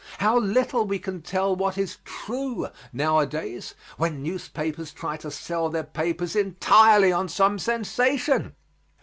How little we can tell what is true nowadays when newspapers try to sell their papers entirely on some sensation!